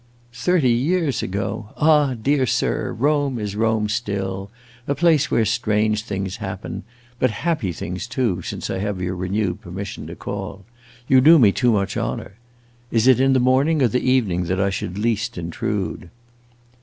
"Thirty years ago? Ah, dear sir, Rome is Rome still; a place where strange things happen! But happy things too, since I have your renewed permission to call. You do me too much honor. Is it in the morning or in the evening that I should least intrude?"